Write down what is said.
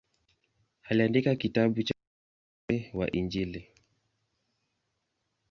Aliandika kitabu cha ufafanuzi wa Injili.